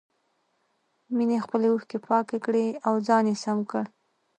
مينې خپلې اوښکې پاکې کړې او ځان يې سم کړ.